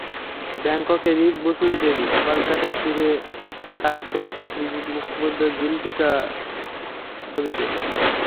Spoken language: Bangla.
ব্যাংককে রিক বসুর দেবী, কলকাতায় ফিরে কাজ করেছি সৃজিত মুখোপাধ্যায়ের জুলফিকার ছবিতে।